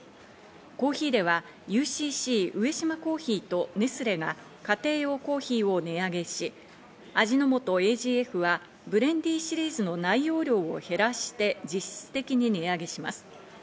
コーヒーではＵＣＣ上島珈琲とネスレが家庭用コーヒーを値上げし、味の素ＡＧＦはブレンディシリーズの内容量を減らして実質的に値上げします。